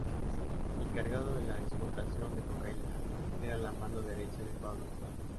Encargado de la exportación de cocaína, era la mano derecha de Pablo Escobar.